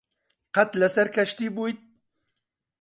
قەت لەسەر کەشتی بوویت؟